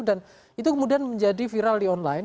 dan itu kemudian menjadi viral di online